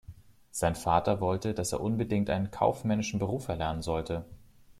Sein Vater wollte, dass er unbedingt einen kaufmännischen Beruf erlernen sollte.